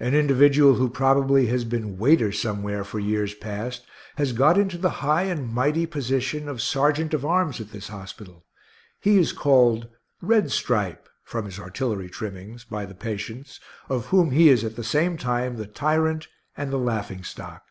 An individual who probably has been waiter somewhere for years past has got into the high and mighty position of sergeant of arms at this hospital; he is called "Red Stripe" (from his artillery trimmings) by the patients, of whom he is at the same time the tyrant and the laughing stock.